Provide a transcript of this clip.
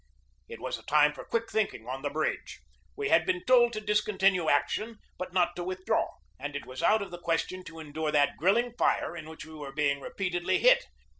It was a time for quick thinking on the bridge. We had been told to discontinue action, but not to withdraw; and it was out of the question to endure that grilling fire in which we were being repeatedly hit.